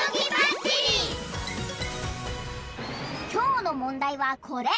きょうのもんだいはこれ。